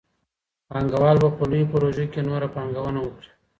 پانګوال به په لويو پروژو کي نوره پانګونه وکړي.